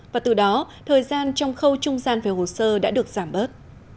và từ đó thời gian trong khâu trung gian về hồ sơ đã được giảm bớt